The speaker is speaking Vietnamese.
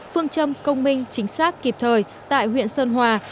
phương châm công minh chính xác kịp thời tại huyện sơn hòa